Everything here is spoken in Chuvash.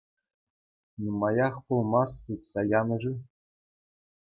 Нумаях пулмасть сутса янӑ-ши?